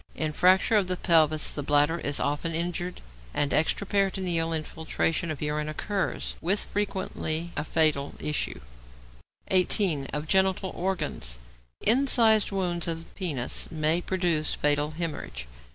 In fracture of the pelvis the bladder is often injured, and extraperitoneal infiltration of urine occurs, with frequently a fatal issue. 18. =Of Genital Organs.= Incised wounds of penis may produce fatal hæmorrhage.